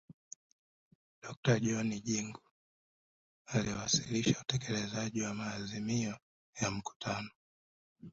dokta john jingu aliwasilisha utekelezaji wa maazimio ya mkutano